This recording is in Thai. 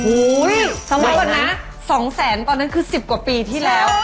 สมมุติก่อนนะ๒แสนตอนนั้นคือ๑๐กว่าปีที่แล้ว